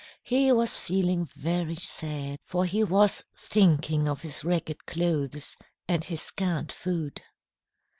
He was feeling very sad, for he was thinking of his ragged clothes and his scant food.